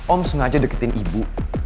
om sengaja deketin ibu